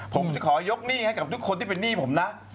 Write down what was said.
ผมจะขอยกหนี้ให้กับทุกคนที่เป็นหนี้ผมนะ